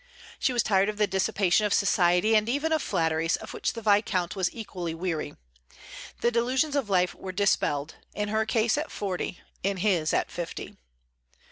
She was tired of the dissipation of society and even of flatteries, of which the Viscount was equally weary. The delusions of life were dispelled, in her case, at forty; in his, at fifty.